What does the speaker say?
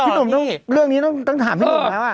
หนุ่มเรื่องนี้ต้องถามพี่หนุ่มแล้ว